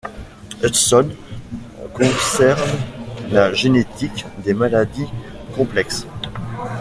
Hudson concerne la génétique des maladies complexes.